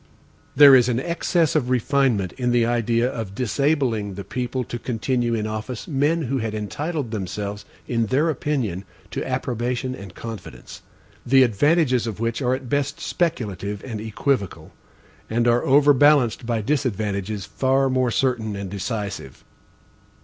There is an excess of refinement in the idea of disabling the people to continue in office men who had entitled themselves, in their opinion, to approbation and confidence; the advantages of which are at best speculative and equivocal, and are overbalanced by disadvantages far more certain and decisive.